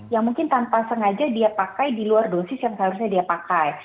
yang mungkin tanpa sengaja dia pakai di luar dosis yang seharusnya dia pakai